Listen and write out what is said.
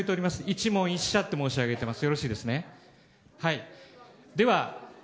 １問１社と申し上げています。